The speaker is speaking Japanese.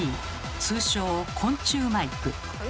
通称昆虫マイク。